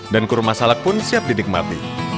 dan kurma salak pun siap dinikmati